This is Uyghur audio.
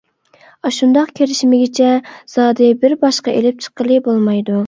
ئاشۇنداق كىرىشمىگىچە زادى بىر باشقا ئېلىپ چىققىلى بولمايدۇ.